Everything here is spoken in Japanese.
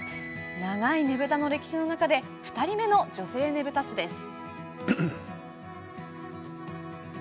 長いねぶたの歴史の中で２人目の女性ねぶた師です。